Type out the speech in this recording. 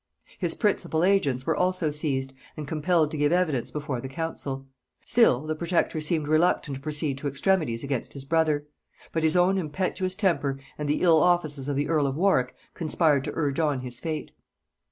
His principal agents were also seized, and compelled to give evidence before the council. Still the protector seemed reluctant to proceed to extremities against his brother; but his own impetuous temper and the ill offices of the earl of Warwick conspired to urge on his fate.